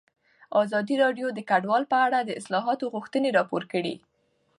ازادي راډیو د کډوال په اړه د اصلاحاتو غوښتنې راپور کړې.